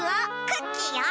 クッキーよ。